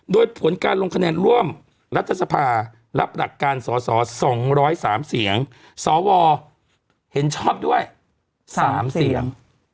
โดยผลการลงคะแนนร่วมรัฐสภารับหลักการสอสอ๒๐๓เสียงสวเห็นชอบด้วย๓เสียง